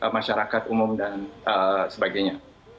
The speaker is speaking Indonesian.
masyarakat umum dan sebagainya